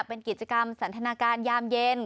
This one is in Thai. เป็นกิจกรรมสันทนาการยามเย็น